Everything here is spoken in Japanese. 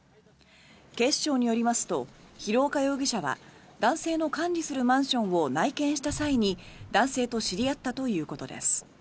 警視庁によりますと廣岡容疑者は男性の管理するマンションを内見した際に男性と知り合ったということです。